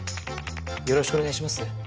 よろしくお願いします。